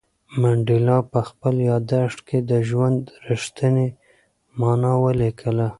منډېلا په خپل یادښت کې د ژوند رښتینې مانا ولیکله.